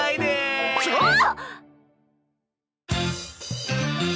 ちょっ！